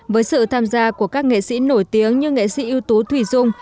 với sự tham gia của các nghệ sĩ nổi tiếng như nghệ sĩ ưu tú thủy dung